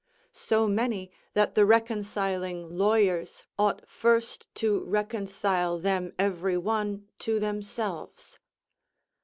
So many that the reconciling lawyers ought first to reconcile them every one to themselves.